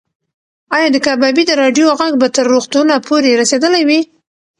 ایا د کبابي د راډیو غږ به تر روغتونه پورې رسېدلی وي؟